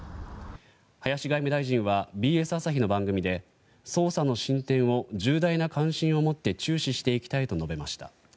林外務大臣はＢＳ朝日の番組で捜査の進展を重大な関心を持って注視していきたいと述べました。